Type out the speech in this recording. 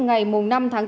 ngày năm tháng bốn